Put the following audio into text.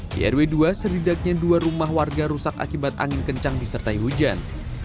di rw dua setidaknya dua rumah warga rusak akibat angin kencang disertai hujan